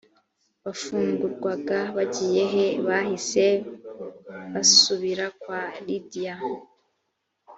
bafungurwaga bagiye he bahise basubira kwa lidiya